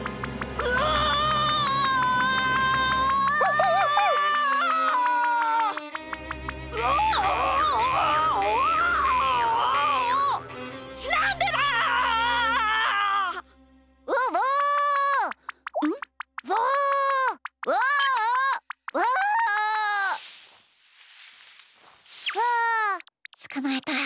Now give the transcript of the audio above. ウオつかまえた。